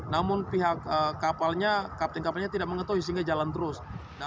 namun pihak kapalnya kapten kapalnya tidak mengetahui sehingga jalan terus